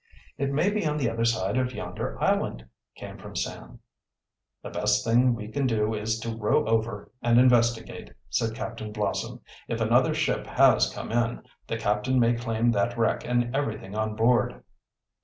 "It may be on the other side of yonder island," came from Sam. "The best thing we can do is to row over and investigate," said Captain Blossom. "If another ship has come in, the captain may claim that wreck and everything on board."